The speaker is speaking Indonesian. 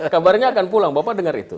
kabarnya akan pulang bapak dengar itu